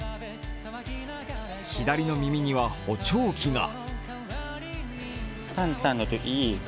左の耳には補聴器が。